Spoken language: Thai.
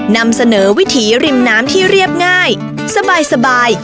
นำเสนอวิถีริมน้ำที่เรียบง่ายสบาย